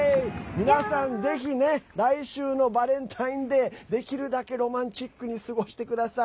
皆さん、ぜひね来週のバレンタインデーできるだけロマンチックに過ごしてください。